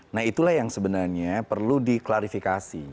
nah itulah yang sebenarnya perlu diklarifikasi